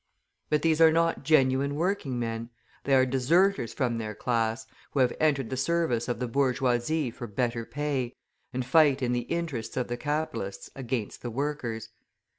But these are not genuine working men; they are deserters from their class, who have entered the service of the bourgeoisie for better pay, and fight in the interests of the capitalists against the workers.